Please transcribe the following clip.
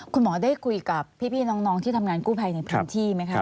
คุณหมอได้คุยกับพี่น้องที่ทำงานกู้ภัยในพื้นที่ไหมคะ